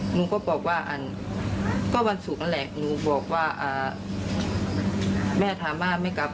หนูก็เลยบอกว่าข้าน้ำมันวันเพลงหนูเลยไม่กลับ